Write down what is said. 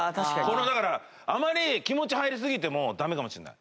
これはだからあまり気持ち入りすぎてもダメかもしれない。